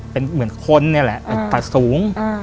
เป็นเหมือนคนเนี่ยแหละตัดสูง